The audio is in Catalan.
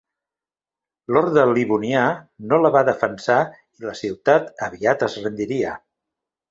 L'Orde Livonià no la va defensar i la ciutat aviat es rendiria.